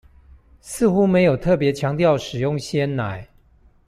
似乎沒有特別強調使用鮮奶